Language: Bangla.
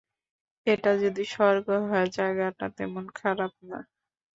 এটা যদি স্বর্গ হয়, জায়গাটা তেমন খারাপ না!